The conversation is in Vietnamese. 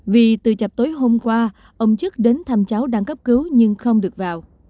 vì từ chập tối hôm qua ông chức đến thăm cháu đang cấp cứu nhưng không được vào